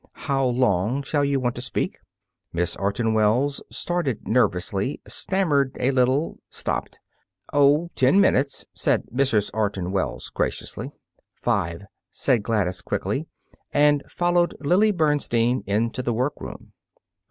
How long shall you want to speak?" Miss Orton Wells started nervously, stammered a little, stopped. "Oh, ten minutes," said Mrs. Orton Wells graciously. "Five," said Gladys, quickly, and followed Lily Bernstein into the workroom.